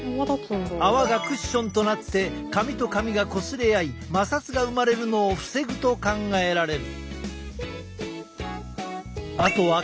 泡がクッションとなって髪と髪がこすれ合い摩擦が生まれるのを防ぐと考えられる。